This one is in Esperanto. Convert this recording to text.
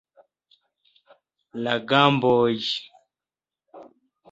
La gamboj.